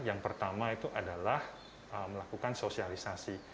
yang pertama itu adalah melakukan sosialisasi